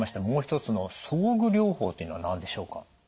もう一つの装具療法というのは何でしょうか？